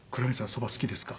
そば好きですか？